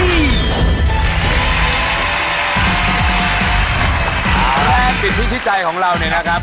เอาแรงปิดพิชิตใจของเราเนี่ยนะครับ